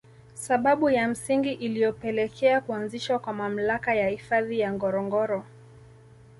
Sababu ya msingi iliyopelekea kuanzishwa kwa mamlaka ya Hifadhi ya Ngorongoro